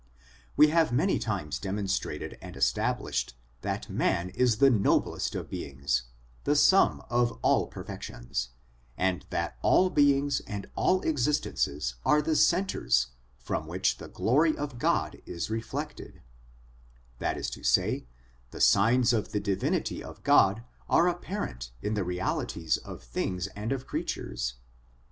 We have many times demonstrated and established that man is the noblest of beings, the sum of all perfections, and that all beings and all existences are the centres from which the glory of God is reflected ; that is to say, the signs of the Divinity of God are apparent in the realities of things and of creatures.